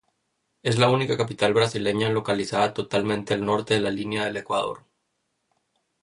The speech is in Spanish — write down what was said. Es la única capital brasileña localizada totalmente al norte de la línea del Ecuador.